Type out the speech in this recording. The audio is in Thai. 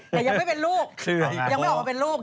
แต่ยังไม่เป็นลูกยังไม่ออกมาเป็นลูก